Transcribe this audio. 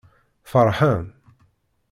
Feṛḥen.